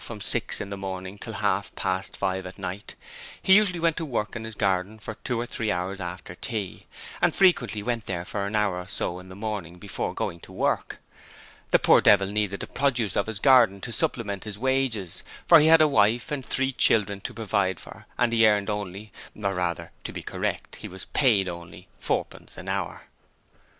from six in the morning till half past five at night, he usually went to work in his garden for two or three hours after tea, and frequently went there for an hour or so in the morning before going to work. The poor devil needed the produce of his garden to supplement his wages, for he had a wife and three children to provide for and he earned only or rather, to be correct, he was paid only fourpence an hour.